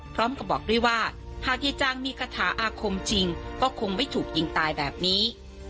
พร้อมกับบอกด้วยว่าหากยายจางมีคาถาอาคมจริงก็คงไม่ถูกยิงตายแบบนี้